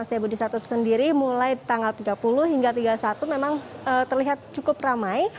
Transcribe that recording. saya berada di satu sendiri mulai tanggal tiga puluh hingga tiga puluh satu memang terlihat cukup ramai